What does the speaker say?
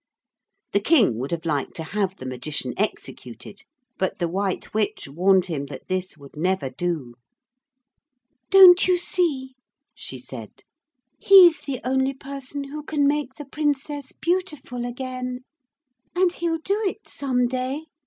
The King would have liked to have the Magician executed but the White Witch warned him that this would never do. 'Don't you see,' she said, 'he's the only person who can make the Princess beautiful again. And he'll do it some day.